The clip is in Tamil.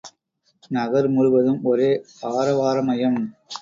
நகர் முழுவதும் ஒரே ஆரவாரமயம்.